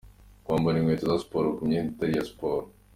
Kwambara inkweto za siporo ku myenda itari iya siporo.